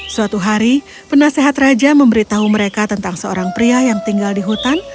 suatu hari penasehat raja memberitahu mereka tentang seorang pria yang tinggal di hutan